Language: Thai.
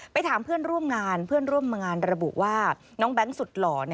ไปถามเพื่อนร่วมงานรบุว่าน้องแบงค์สุดหล่อ